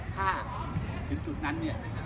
ถ้าถึงจุดนั้นเนี่ย